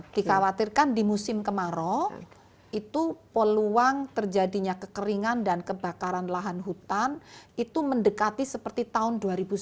dikhawatirkan di musim kemarau itu peluang terjadinya kekeringan dan kebakaran lahan hutan itu mendekati seperti tahun dua ribu sembilan belas